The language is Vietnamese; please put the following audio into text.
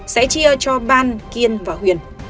sẽ chia cho ban kiên và huyền